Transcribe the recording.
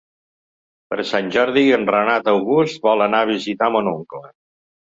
Per Sant Jordi en Renat August vol anar a visitar mon oncle.